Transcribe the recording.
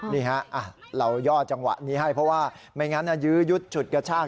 นี่ฮะเราย่อจังหวะนี้ให้เพราะว่าไม่งั้นยื้อยุดฉุดกระชาก